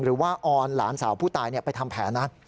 หรือว่าออนหลานสาวผู้ตายไปทำแผนนะ